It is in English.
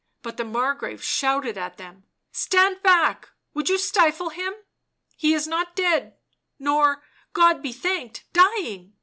But the Margrave shouted at them. u Stand back — would you stifle him? — he is not dead, nor, God be thanked, dying."